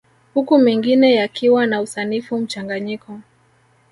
Huku mengine yakiwa na usanifu mchanganyiko